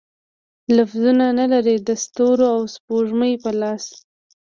لفظونه، نه لري د ستورو او سپوږمۍ په لاس